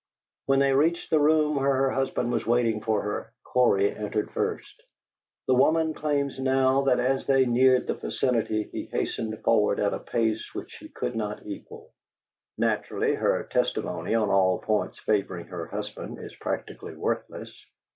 When they reached the room where her husband was waiting for her, Cory entered first. The woman claims now that as they neared the vicinity he hastened forward at a pace which she could not equal. Naturally, her testimony on all points favoring her husband is practically worthless.